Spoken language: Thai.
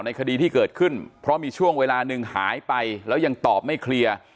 คดีที่เกิดขึ้นเพราะมีช่วงเวลาหนึ่งหายไปแล้วยังตอบไม่เคลียร์